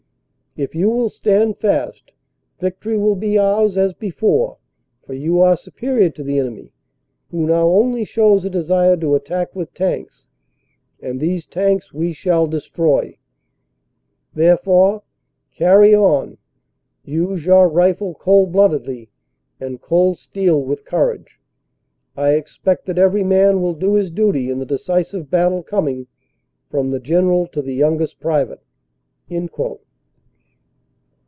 If you will stand fast, victory will be ours as before, for you are superior to the enemy, who now only shows a desire to attack with tanks, and these tanks we shall destroy. Therefore: Carry on! Use your rifle cold bloodedly and cold steel with courage. I expect that every man will do his duty in the decisive battle coming, from the general to the youngest private."